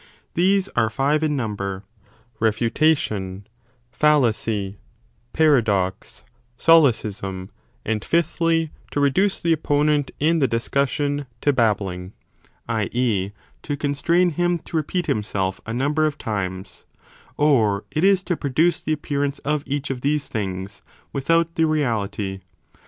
These are five in number, refutation, fallacy, paradox, sole cism, and fifthly to reduce the opponent in the discussion 15 to babbling i. e. to constrain him to repeat himself a number of times : or it is to produce the appearance of each of these things without the reality.